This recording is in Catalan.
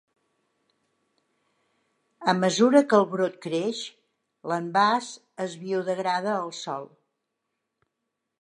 A mesura que el brot creix, l'envàs es biodegrada al sòl.